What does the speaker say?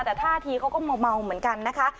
แต่ท่าทีเขาก็เมาเหมือนกันนะคะ